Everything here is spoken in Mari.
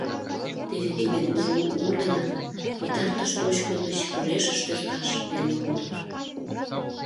Теве тиде кужу умдылан пытартыш точко гыч корешыш тӧршташ веле кодо.